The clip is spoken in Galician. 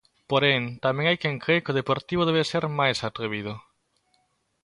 Porén, tamén hai quen cre que o Deportivo debe ser máis atrevido.